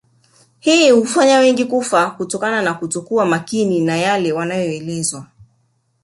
Hii hufanya wengi kufa kutokana na kuto kuwa makini na yale yanayoelezwa